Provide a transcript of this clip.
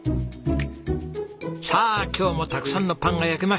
さあ今日もたくさんのパンが焼けました。